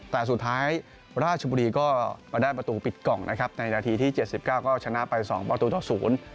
แต่สุดท้ายราชบุรีก็มาได้ประตูปิดกล่องนะครับในนาทีที่๗๙ก็ชนะไป๒ประตูตกศูนย์